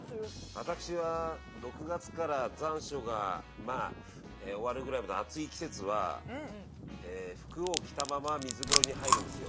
私は６月から残暑がまあ終わるぐらいまでの暑い季節は服を着たまま水風呂に入るんですよ。